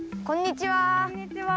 こんにちは。